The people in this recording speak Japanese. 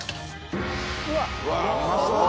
うわっ！